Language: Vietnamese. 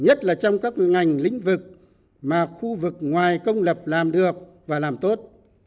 nhất là trong các ngành lĩnh vực mà khu vực ngoài công lập làm được và làm tốt